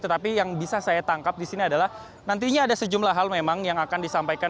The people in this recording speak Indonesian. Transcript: tetapi yang bisa saya tangkap di sini adalah nantinya ada sejumlah hal memang yang akan disampaikan